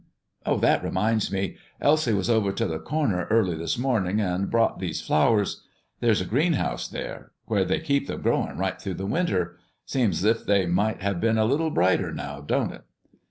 Oh, that reminds me. Elsie was over t' the Corner early this morning, and brought these flowers. There's a greenhouse there, where they keep 'em growing right through the winter. Seems 's if they might have been a little brighter, now, don't it?"